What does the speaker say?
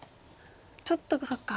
ちょっとそっか。